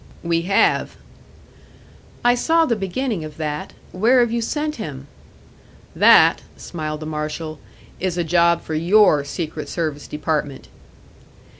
"We have." "I saw the beginning of that. Where have you sent him?" "That," smiled the marshal, "is a job for your secret service department!"